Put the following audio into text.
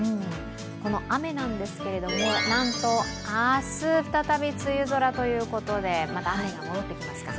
この雨なんですけれども、なんと明日再び梅雨空ということでまた雨が戻ってきますか？